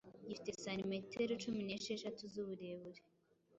gifite santimetero cumi nesheshatu z’ uburebure